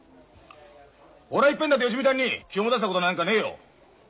俺はいっぺんだって芳美ちゃんに気を持たせたことなんかねえよ。